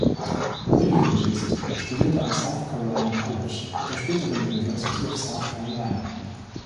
William Gist studierte am South Carolina College, der späteren University of South Carolina.